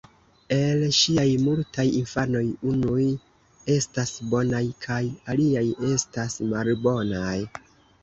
El ŝiaj multaj infanoj unuj estas bonaj kaj aliaj estas malbonaj.